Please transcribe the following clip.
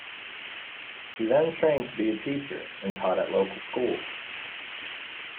She then trained to be a teacher, and taught at local schools.